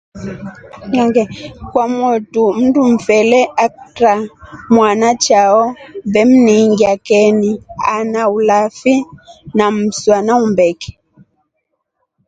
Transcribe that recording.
Kwamotu mndumfele akaatra mwana chao vemningia ken ana ulavi na mswa wa umbeke.